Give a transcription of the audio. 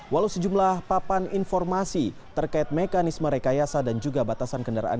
walau sejumlah papan informasi terkait mekanisme rekayasa dan juga batasan kendaraan